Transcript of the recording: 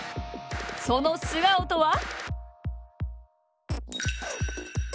その素顔とは？